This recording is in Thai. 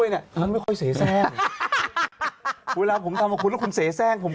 อยู่ดีผมทำด้วยฉันไม่ค่อยเสียแทรก